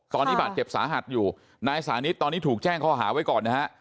ตอนนี้บาดเจ็บสาหัสอยู่นายสานิทตอนนี้ถูกแจ้งข้อหาไว้ก่อนนะฮะ